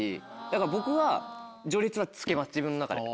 だから僕は序列はつけます自分の中で。